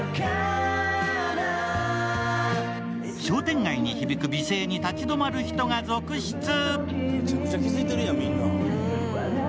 商店街に響く美声に立ち止まる人が続出。